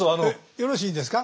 よろしいんですか？